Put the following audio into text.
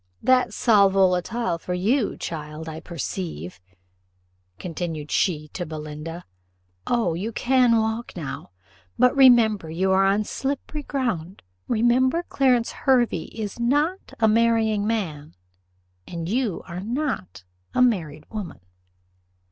That's sal volatile for you, child, I perceive," continued she to Belinda. "O, you can walk now but remember you are on slippery ground: remember Clarence Hervey is not a marrying man, and you are not a married woman."